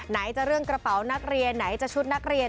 ไหนจะเรื่องกระเป๋านักเรียนไหนจะชุดนักเรียน